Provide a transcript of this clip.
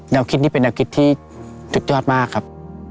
คิดนี่เป็นแนวคิดที่สุดยอดมากครับ